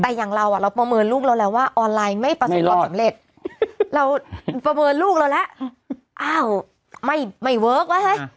แต่อย่างเราอ่ะเราประเมินลูกเราแล้วว่าออนไลน์ไม่ประสบความสำเร็จเราประเมินลูกเราแล้วอ้าวไม่เวิร์คแล้วเฮ้ย